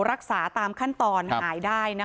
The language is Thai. รักษาตามขั้นตอนหายได้นะคะ